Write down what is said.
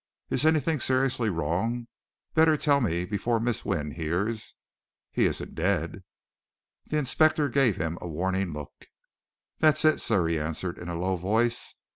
"Is anything seriously wrong? better tell me before Miss Wynne hears. He isn't dead?" The inspector gave him a warning look. "That's it, sir," he answered in a low voice.